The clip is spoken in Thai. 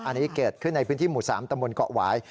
อันนี้เกิดขึ้นในพื้นที่หมู่๓ตำบลเกาะหวาย